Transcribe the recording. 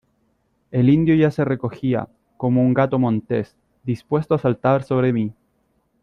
el indio ya se recogía, como un gato montés , dispuesto a saltar sobre mí.